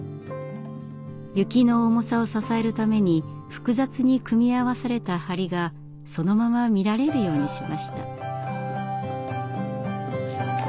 雪の重さを支えるために複雑に組み合わされた梁がそのまま見られるようにしました。